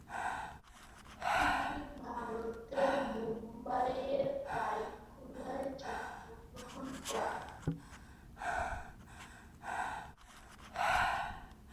তিনি ভারতের মুম্বাইয়ের বাইকুলায় জন্মগ্রহণ করেন।